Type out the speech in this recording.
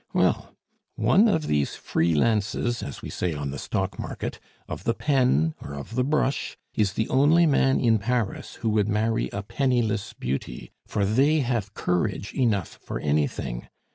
Well, one of these free lances, as we say on the stock market, of the pen, or of the brush, is the only man in Paris who would marry a penniless beauty, for they have courage enough for anything.